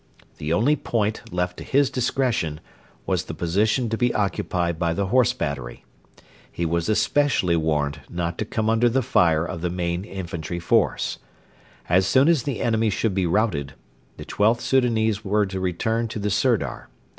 The only point left to his discretion was the position to be occupied by the Horse battery. He was especially warned not to come under the fire of the main infantry force. As soon as the enemy should be routed, the XIIth Soudanese were to return to the Sirdar.